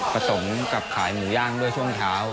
สมกับขายหมูย่างด้วยช่วงเช้า